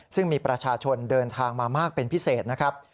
ซึ่งมีประชาชนเดินทางมามากเป็นพิเศษนะครับ